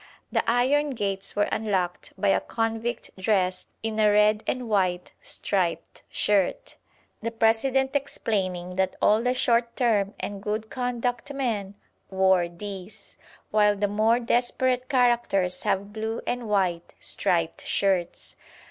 The iron gates were unlocked by a convict dressed in a red and white striped shirt, the President explaining that all the short term and good conduct men wore these, while the more desperate characters have blue and white striped shirts.